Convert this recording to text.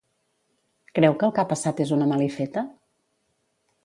Creu que el que ha passat és una malifeta?